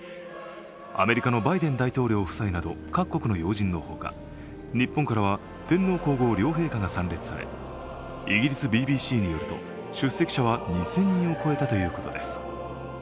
アメリカのバイデン大統領夫妻など各国の要人のほか、日本からは天皇皇后両陛下が参列されイギリスＢＢＣによると、出席者は２０００人を超えたということです。